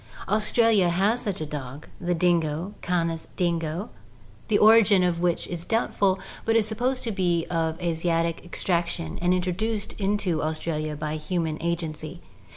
Aus tralia has such a dog, the dingo (Canis dingo), the origin of which is doubtful, but it is supposed to be of Asiatic extraction and intro duced into Australia by human agency.